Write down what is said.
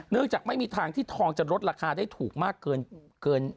จากไม่มีทางที่ทองจะลดราคาได้ถูกมากเกิน